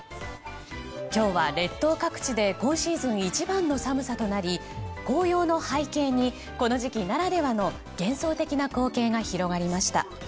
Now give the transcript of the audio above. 今日は列島各地で今シーズン一番の寒さとなり紅葉の背景にこの時期ならではの幻想的な光景が広がりました。